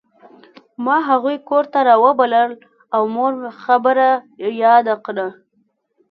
ما هغوی کور ته راوبلل او مور خبره یاده کړه